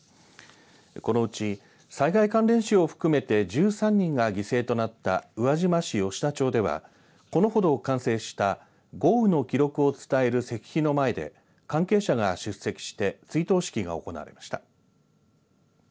このうち、災害関連死を含めて１３人が犠牲になった宇和島市吉田町ではこのほど完成した豪雨の記録を伝える石碑の前で関係者が出席して追悼式が行われました。